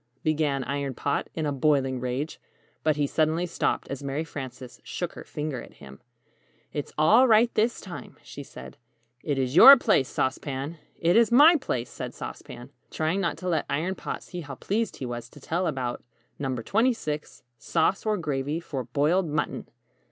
began Iron Pot, in a boiling rage; but he suddenly stopped, as Mary Frances shook her finger at him. [Illustration: "Saucy!"] "It's all right this time," she said. "It is your place, Sauce Pan " "It is my place," said Sauce Pan, trying not to let Iron Pot see how pleased he was to tell about NO. 26. SAUCE OR GRAVY FOR BOILED MUTTON.